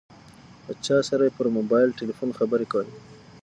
له چا سره یې پر موبایل ټیلیفون خبرې کولې.